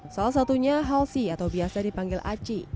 salah satunya hal si atau biasa dipanggil aci